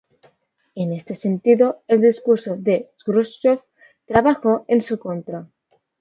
En este sentido, el discurso de Jrushchov trabajó en su contra.